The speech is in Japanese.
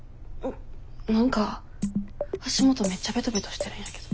何か足元めっちゃベトベトしてるんやけど。